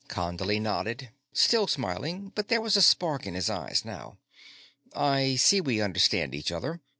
Condley nodded, still smiling but there was a spark in his eyes now. "I see we understand each other.